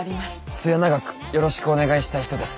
末永くよろしくお願いしたい人です。